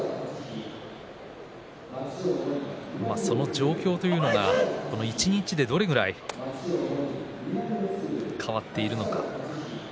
その状況というのが一日でどのくらい変わっているのか。